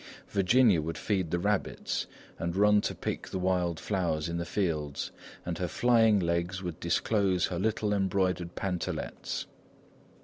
Virginia would feed the rabbits and run to pick the wild flowers in the fields, and her flying legs would disclose her little embroidered pantalettes.